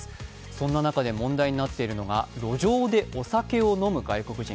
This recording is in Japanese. そんな中で問題になっているのが路上でお酒を飲む外国人。